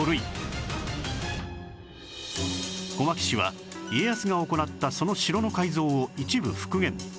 小牧市は家康が行ったその城の改造を一部復元